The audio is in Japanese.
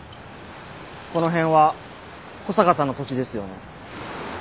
この辺は保坂さんの土地ですよね。